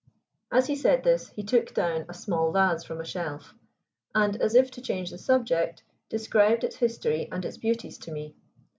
As he said this he took down a small vase from a shelf, and, as if to change the subject, described its history and its beauties to me.